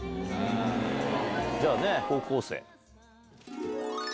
じゃあ高校生。